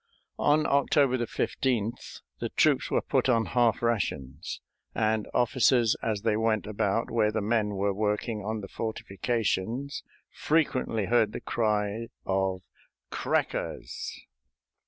On October 15th the troops were on half rations, and officers as they went about where the men were working on the fortifications frequently heard the cry of "Crackers!"